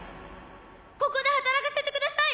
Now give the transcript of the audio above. ここで働かせてください！